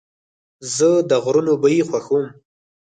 زه د غرونو بوی خوښوم.